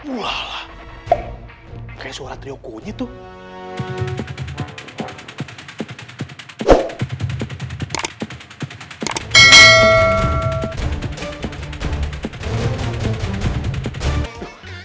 wala kayaknya suara trio kunyit tuh